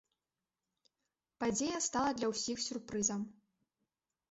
Падзея стала для ўсіх сюрпрызам.